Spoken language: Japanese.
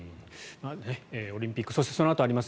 オリンピックそして、そのあとにあります